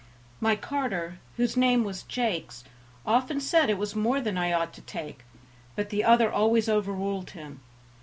My carter, whose name was Jakes, often said it was more than I ought to take, but the other always overruled him.